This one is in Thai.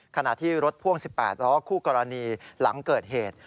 ขณะที่รถพ่วง๑๘ล้อคู่กรณีหลังเกิดเหตุ